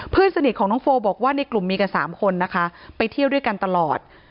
เพื่อนสนิทของน้องโฟบอกว่าในกลุ่มมีกันสามคนนะคะไปเที่ยวด้วยกันตลอด